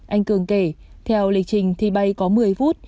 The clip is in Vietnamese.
anh cường kể theo lịch trình thì bay có một mươi phút